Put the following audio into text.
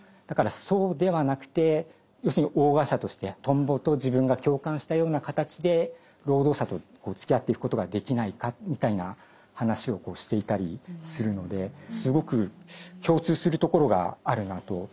だからそうではなくて要するに横臥者としてトンボと自分が共感したような形で労働者とつきあっていくことができないかみたいな話をしていたりするのですごく共通するところがあるなと。